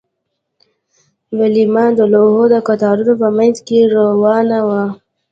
ویلما د لوحو د قطارونو په مینځ کې روانه وه